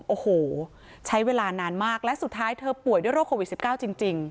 โอ้โหใช้เวลานานมากและสุดท้ายเธอป่วยด้วยโรคโควิด๑๙จริง